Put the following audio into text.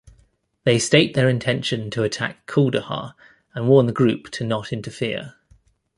They state their intention to attack Kuldahar, and warn the group to not interfere.